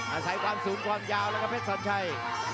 อาศัยความสูงความยาวแล้วครับเพชรสอนชัย